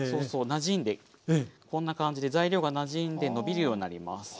なじんでこんな感じで材料がなじんでのびるようなります。